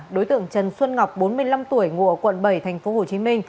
đối tượng trần xuân ngọc bốn mươi năm tuổi ngụa quận bảy tp hcm